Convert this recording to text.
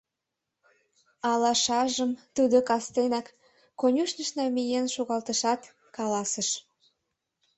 Алашажым тудо кастенак конюшньыш намиен шогалтышат, каласыш: